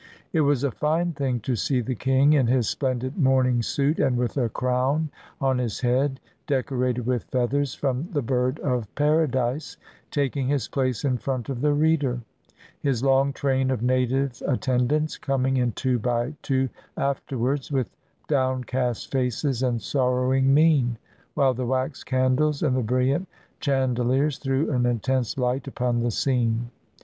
It was a fine thing to see the king, in his splendid mourning suit and with a crown on his head decorated with feathers from the bird of paradise, taking his place in front of the reader — his long train of native attendants coming in two by two afterward, with downcast faces and sorrow ing mien, while the wax candles and the brilliant chan deliers threw an intense light upon the scene.